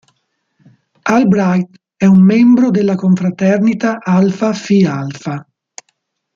Albright è un membro della confraternita Alpha Phi Alpha.